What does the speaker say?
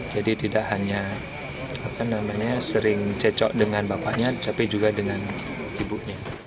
jadi tidak hanya sering cek cok dengan bapaknya tapi juga dengan ibunya